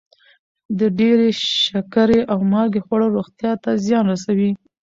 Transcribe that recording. د ډېرې شکرې او مالګې خوړل روغتیا ته زیان رسوي.